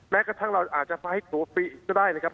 แม้กระทั่งเราอาจจะไฟล์ตัวฟิก็ได้นะครับ